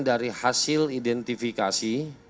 dari hasil identifikasi